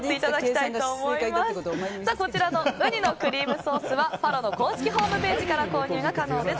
ウニのクリームソースはｆａｌｏの公式ホームページから購入が可能です。